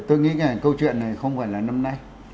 tôi nghĩ là câu chuyện này không phải là năm nay